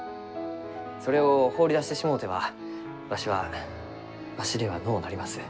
それを放り出してしもうてはわしはわしではのうなります。